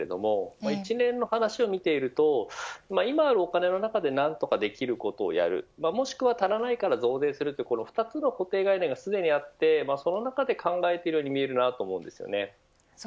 一連の話を見ていると今あるお金の中で何とかできることをやるもしくは、足らないから増税するこの２つの固定概念がすでにあってその中で考えているように見えます。